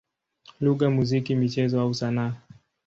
lugha, muziki, michezo au sanaa.